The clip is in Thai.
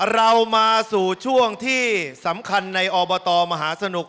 เรามาสู่ช่วงที่สำคัญในอบตมหาสนุก